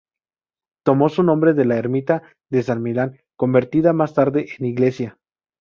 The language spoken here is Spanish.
Tomó su nombre de la ermita de San Millán convertida más tarde en iglesia.